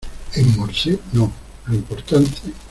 en morse? no. lo importante